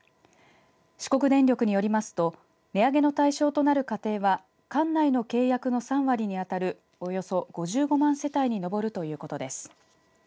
四国電力によりますと値上げの対象となる家庭は管内の契約の３割に当たるおよそ５５万世帯に上るということです。